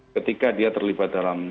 ketika dia terlibat dalam